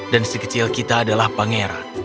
dan si kecil kita adalah pangeran